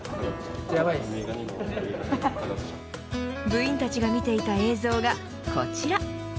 部員たちが見ていた映像がこちら。